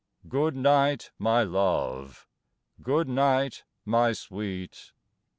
Good night, my love! good night, my sweet!